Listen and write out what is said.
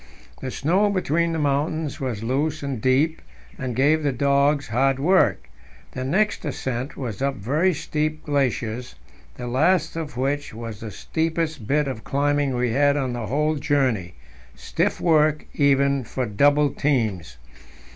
The snow between the mountains was loose and deep, and gave the dogs hard work. The next ascent was up very steep glaciers, the last of which was the steepest bit of climbing we had on the whole journey stiff work even for double teams.